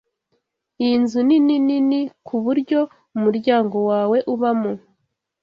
Iyi nzu nini nini kuburyo umuryango wawe ubamo.